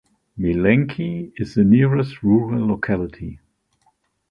Melenki is the nearest rural locality.